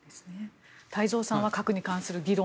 太蔵さんは核に関する議論